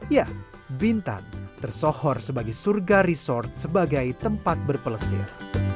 ya bintan tersohor sebagai surga resort sebagai tempat berpelesir